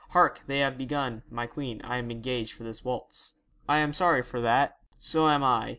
Hark, they have begun "My Queen." I am engaged for this waltz.' 'I am sorry for that.' 'So am I.